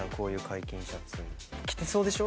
着てそうでしょ